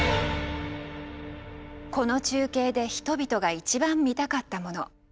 この中継で人々が一番見たかったもの。